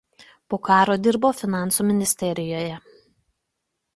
Po karo dirbo Finansų ministerijoje.